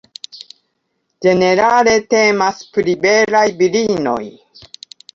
Ĝenerale temas pri belaj virinoj.